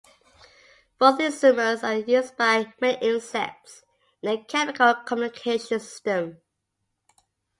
Both isomers are used by many insects in their chemical communication system.